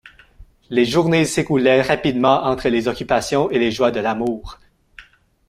Les journées s’écoulaient rapidement entre les occupations et les joies de l’amour.